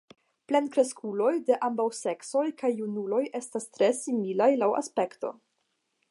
Plenkreskuloj de ambaŭ seksoj kaj junuloj estas tre similaj laŭ aspekto.